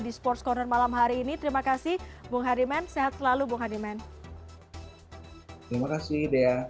di sports corner malam hari ini terima kasih bung hardiman sehat selalu bung hadiman terima kasih dea